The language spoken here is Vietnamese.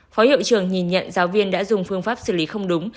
phó hiệu trường nhìn nhận giáo viên đã dùng phương pháp xử lý không đúng